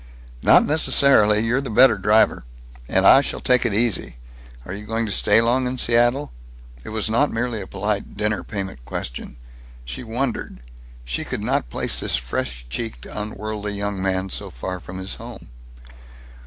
"Not necessarily. You're the better driver. And I shall take it easy. Are you going to stay long in Seattle?" It was not merely a polite dinner payment question. She wondered; she could not place this fresh cheeked, unworldly young man so far from his home.